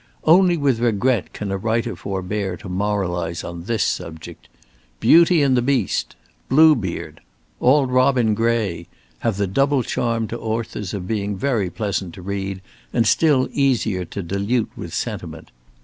Only with regret can a writer forbear to moralize on this subject. "Beauty and the Beast," "Bluebeard," "Auld Robin Gray," have the double charm to authors of being very pleasant to read, and still easier to dilute with sentiment.